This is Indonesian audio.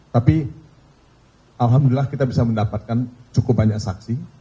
tapi alhamdulillah kita bisa mendapatkan cukup banyak saksi